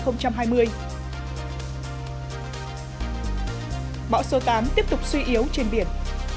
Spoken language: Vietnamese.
bão số tám tiếp tục suy yếu trên biển